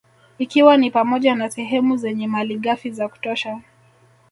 Ikiwa ni pamoja na sehemu zenye malighafi za kutosha